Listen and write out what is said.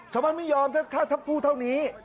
ชาวบ้านไม่ยอมถ้าพูดเท่านี้